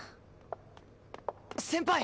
先輩！